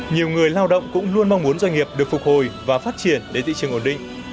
nhiều người lao động cũng luôn mong muốn doanh nghiệp được phục hồi và phát triển để thị trường ổn định